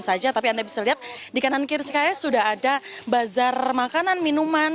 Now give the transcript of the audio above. saja tapi anda bisa lihat di kanan kiri saya sudah ada bazar makanan minuman